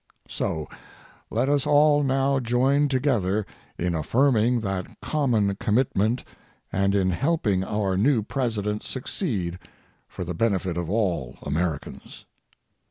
So, let us all now join together in affirming that common commitment and in helping our new President succeed for the benefit of all Americans.